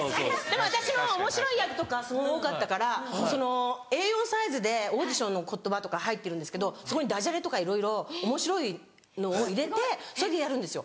私もおもしろい役とかすごい多かったからＡ４サイズでオーディションの言葉とか入ってるんですけどそこにダジャレとかいろいろおもしろいのを入れてそれでやるんですよ。